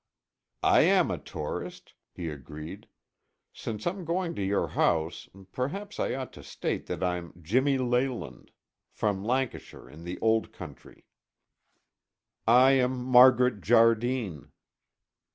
"I am a tourist," he agreed. "Since I'm going to your house, perhaps I ought to state that I'm Jimmy Leyland, from Lancashire in the Old Country." "I am Margaret Jardine."